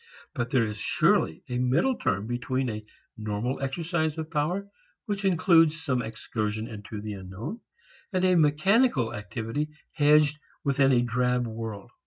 But there is surely a middle term between a normal exercise of power which includes some excursion into the unknown, and a mechanical activity hedged within a drab world.